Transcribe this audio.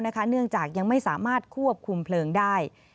เนื่องจากยังไม่สามารถควบคุมเพลิงได้